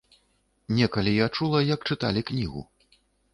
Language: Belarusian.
Некалі я чула, як чыталі кнігу.